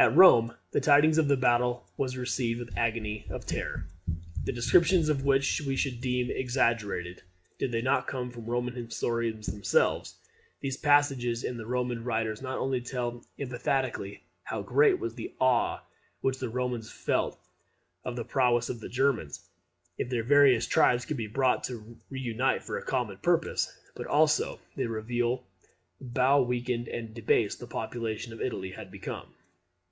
At Rome, the tidings of the battle was received with an agony of terror, the descriptions of which we should deem exaggerated, did they not come from Roman historians themselves. These passages in the Roman writers not only tell emphatically how great was the awe which the Romans felt of the prowess of the Germans, if their various tribes could be brought to reunite for a common purpose, but also they reveal bow weakened and debased the population of Italy had become.